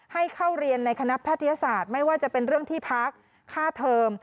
ให้เข้าเรียนในคณะแพทยศาสตร์ไม่ว่าจะเป็นเรื่องที่พักค่าเทอม